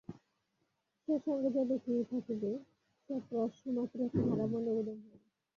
সে সঙ্গে যাইবে কি থাকিবে, সে প্রশ্নমাত্র কাহারো মনে উদয় হয় না।